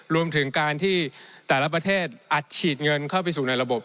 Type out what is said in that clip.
รวมถึงการที่แต่ละประเทศอัดฉีดเงินเข้าไปสู่ในระบบ